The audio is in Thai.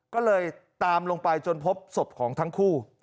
ก็เลยตามลงไปจนพบศพของทั้งคู่